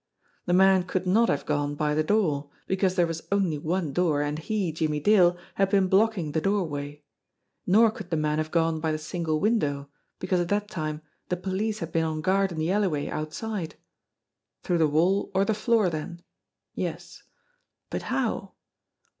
The man could not have gone by the door, because there was only one door, and he, Jimmie Dale, had been blocking the doorway; nor could the man have gone by the single window, because at that time the police had been on guard in the alleyway out side. Through the wall or the floor then ? Yes. But how